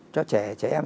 cho trẻ em